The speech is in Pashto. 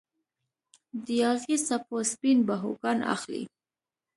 د یاغي څپو سپین باهوګان اخلي